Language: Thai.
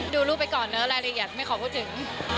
ดูรูปไปก่อนเนอะรายละเอียดไม่ขอพูดถึง